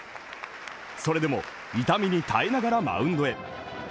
それでも痛みに耐えながらマウンドへ。